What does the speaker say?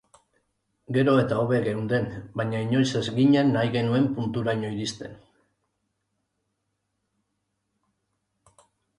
Gero eta hobe geunden baina inoiz ez ginen nahi genuen punturaino iristen.